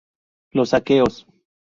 Los aqueos.